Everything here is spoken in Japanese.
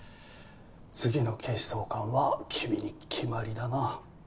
次の警視総監は君に決まりだな。